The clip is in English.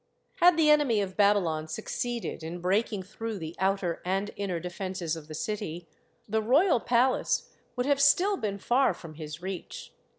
Had the enemy of Babylon succeeded in breaking through the outer and inner defences of the city the royal palace would have still been far from his reach.